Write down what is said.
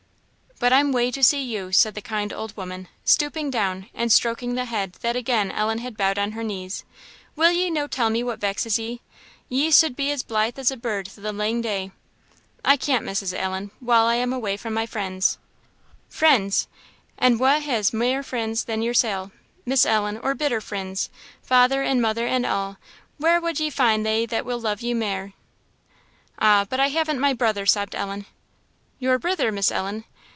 "But I'm wae to see you," said the kind old woman, stooping down and stroking the head that again Ellen had bowed on her knees; "will ye no tell me what vexes ye? Ye suld be as blithe as a bird the lang day." "I can't, Mrs. Allen, while I am away from my friends." "Friends! and wha has mair frinds than yoursel,' Miss Ellen, or better frinds? father and mother and a'; where wad ye find thae that will love you mair?" "Ah , but I haven't my brother!" sobbed Ellen. "Your brither, Miss Ellen?